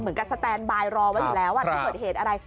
เหมือนกับสแตนบายรอไว้อยู่แล้วถ้าเกิดเหตุอะไร